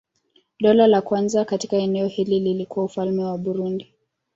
Dola la kwanza katika eneo hili lilikuwa Ufalme wa Burundi.